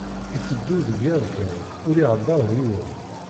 Iteddu deg iḍ kan, ur ihedder d yiwen.